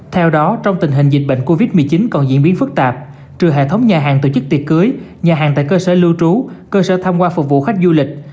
theo đó trong tình hình dịch bệnh covid một mươi chín còn diễn biến phức tạp trừ hệ thống nhà hàng tổ chức tiệc cưới nhà hàng tại cơ sở lưu trú cơ sở tham quan phục vụ khách du lịch